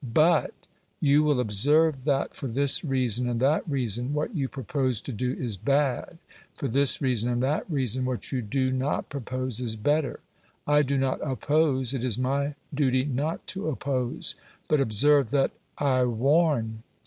BUT you will observe that for this reason and that reason what you propose to do is bad; for this reason and that reason what you do not propose is better. I do not oppose, it is my duty not to oppose; but observe that I WARN."